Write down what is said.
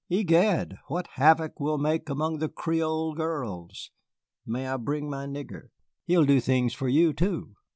Egad, what havoc we'll make among the Creole girls. May I bring my nigger? He'll do things for you too."